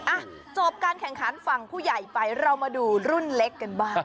อ่ะจบการแข่งขันฝั่งผู้ใหญ่ไปเรามาดูรุ่นเล็กกันบ้าง